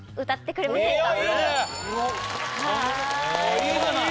いいじゃない